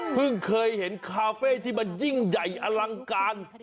เคยเห็นคาเฟ่ที่มันยิ่งใหญ่อลังการ